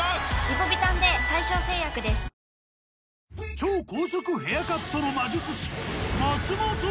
超高速ヘアカットの魔術師